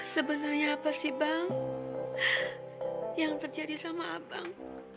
sebenarnya apa sih bang yang terjadi sama abang